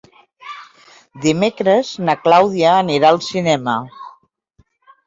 Dimecres na Clàudia anirà al cinema.